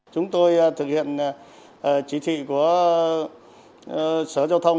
chúng tôi thực hiện chỉ thị của sở giao thông